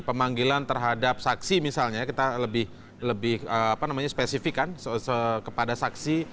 pemanggilan terhadap saksi misalnya kita lebih spesifikan kepada saksi